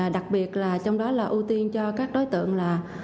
đặc biệt là trong đó là ưu tiên cho các đối tượng là